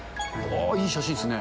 いい写真ですね。